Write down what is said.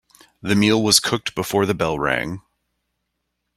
The meal was cooked before the bell rang.